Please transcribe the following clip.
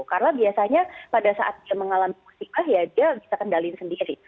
karena biasanya pada saat dia mengalami musik ya dia bisa kendaliin sendiri